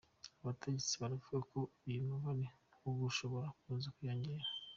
Abategetsi baravuga ko uyu mubare na wo ushobora kuza kwiyongera.